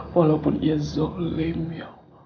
walaupun ia zolim ya allah